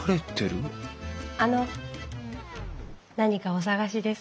あの何かお探しですか？